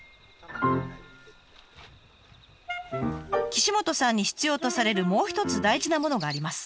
岸本さんに必要とされるもう一つ大事なものがあります。